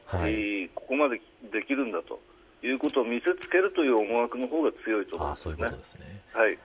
ここまでできるんだということを見せつけるという思惑のが強いと思います。